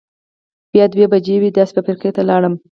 بیا دوه بجې یوې داسې فابرېکې ته لاړم.